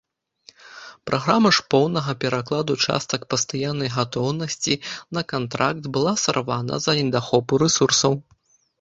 Праграма ж поўнага перакладу частак пастаяннай гатоўнасці на кантракт была сарвана з-за недахопу рэсурсаў.